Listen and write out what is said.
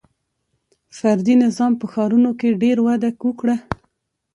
• فردي نظام په ښارونو کې ډېر وده وکړه.